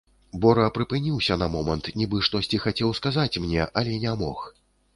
Бора прыпыніўся на момант, нібы штосьці хацеў сказаць мне, але не мог.